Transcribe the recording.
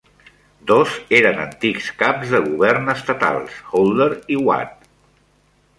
Dos eren antics caps de govern estatals: Holder i Watt.